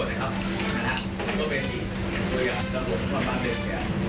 เพราะว่าเป็นสถานที่หนัก